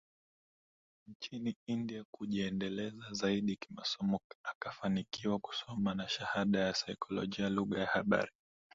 nchini India kujiendeleza zaidi kimasomo akafanikiwa kusoma na Shahada ya Saikolojia Lugha na Habari